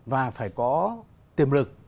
và phải có tiềm lực